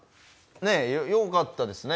ねえよかったですね。